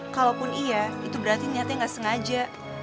kalaupun iya itu berarti nyatanya gak sengaja